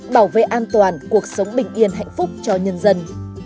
bảo vệ an toàn cuộc sống bình yên hạnh phúc cho nhân dân